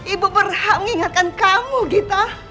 ibu berhak mengingatkan kamu gita